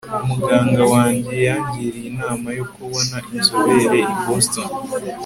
muganga wanjye yangiriye inama yo kubona inzobere i boston